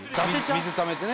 水ためてね